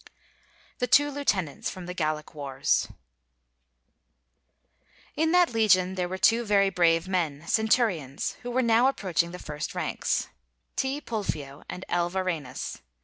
THE TWO LIEUTENANTS From 'The Gallic Wars' In that legion there were two very brave men, centurions, who were now approaching the first ranks, T. Pulfio and L. Varenus.